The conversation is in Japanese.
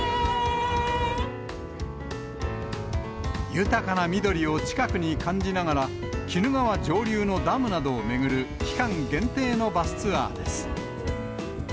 豊かな緑を近くに感じながら、鬼怒川上流のダムなどを巡る期間限定のバスツアーです。